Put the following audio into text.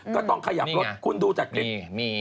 ก็ต้องขยับรถคุณดูจากคลิป